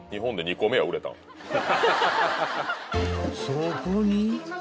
［そこに］